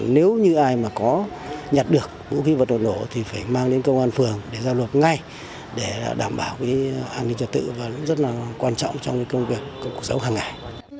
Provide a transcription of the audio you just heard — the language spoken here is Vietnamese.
nếu như ai mà có nhặt được vũ khí vật liệu nổ thì phải mang đến công an phường để giao nộp ngay để đảm bảo an ninh trật tự và rất là quan trọng trong công việc của cuộc giấu hàng ngày